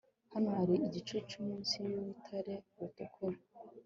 Hano hari igicucu munsi yurutare rutukura